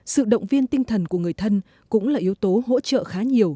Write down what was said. sự động viên tinh thần của người thân cũng là yếu tố hỗ trợ khá nhiều